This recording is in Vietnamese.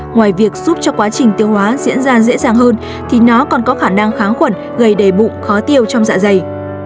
ngoài việc giúp cho quá trình tiêu hóa diễn ra dễ dàng hơn thì nó còn có khả năng kháng khuẩn gây đề bụng khó tiêu trong dạ dày